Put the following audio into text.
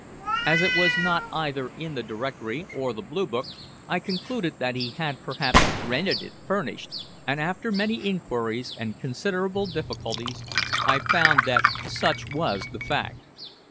As it was not either in the Directory or the Blue Book, I concluded that he had perhaps rented it furnished, and after many inquiries and considerable difficulties I found that such was the fact.